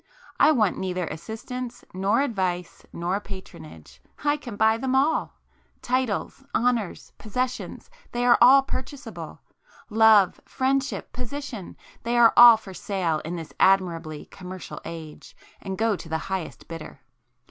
I want neither assistance nor advice nor patronage,—I can buy them all! Titles, honours, possessions,—they are all purchaseable,—love, friendship, position,—they are all for sale in this admirably commercial age and go to the highest bidder!